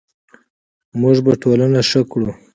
موږ به ټولنه ښه کړو.